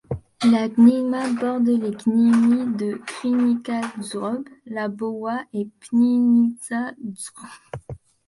La gmina borde les gminy de Krynica-Zdrój, Łabowa et Piwniczna-Zdrój.